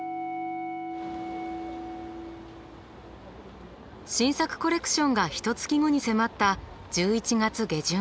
新作コレクションがひとつき後に迫った１１月下旬。